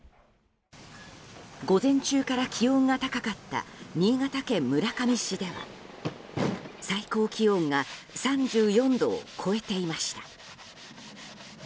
午前中から気温が高かった新潟県村上市では最高気温が３４度を超えていました。